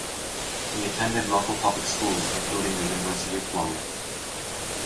He attended local public schools including the University of Florida.